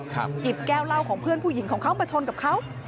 หยิบแก้วเหล้าของเพื่อนผู้หญิงของเขามาชนกับเขา